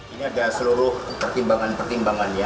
ini ada seluruh pertimbangan pertimbangannya